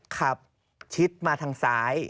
ขับชิดมาทางซ้าย